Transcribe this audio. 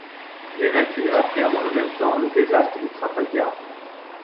Les vaincus apprirent dans le même temps le désastre de Trafalgar.